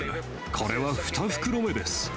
これは２袋目です。